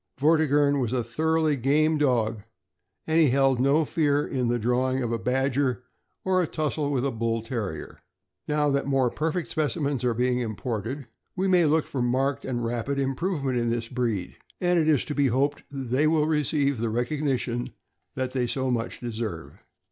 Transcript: Vortigern was a thoroughly game dog, and he held in no fear the drawing of a badger or a tussle with a Bull Terrier. Now that more perfect specimens are being imported, we may look for marked and rapid improvement in this breed, and it is to be hoped they will receive the recognition that they so much deserve.